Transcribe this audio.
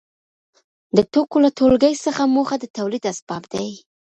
د توکو له ټولګې څخه موخه د تولید اسباب دي.